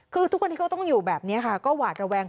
คือทุกวันนี้ก็ต้องอยู่แบบนี้ค่ะก็หวาดระแวง